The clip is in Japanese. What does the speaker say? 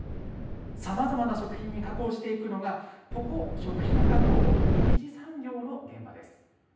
さまざまな食品に加工していくのが、ここ、食品加工、２次産業の現場です。